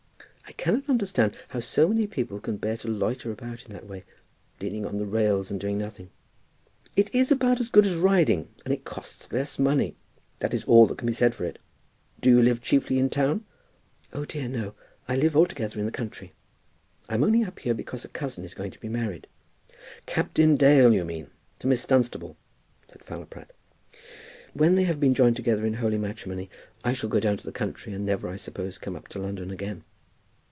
"I cannot understand how so many people can bear to loiter about in that way leaning on the rails and doing nothing." "It is about as good as the riding, and costs less money. That is all that can be said for it. Do you live chiefly in town?" "O dear, no; I live altogether in the country. I'm only up here because a cousin is going to be married." "Captain Dale you mean to Miss Dunstable?" said Fowler Pratt. "When they have been joined together in holy matrimony, I shall go down to the country, and never, I suppose, come up to London again."